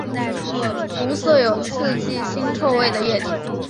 无色有刺激腥臭味的液体。